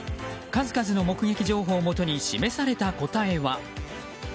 数々の目撃情報をもとに示された答えは。